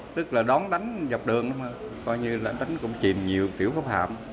tức là đón đánh dọc đường coi như đánh cũng nhiều tiểu pháo hạm